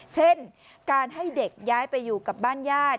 เช่นการให้เด็กย้ายไปอยู่กับบ้านญาติ